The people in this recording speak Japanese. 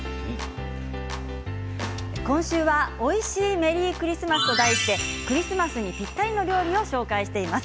今週はおいしいメリークリスマスと題してクリスマスにぴったりの料理を紹介しています。